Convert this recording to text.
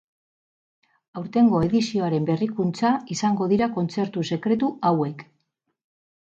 Aurtengo edizioaren berrikuntza izango dira kontzertu sekretu hauek.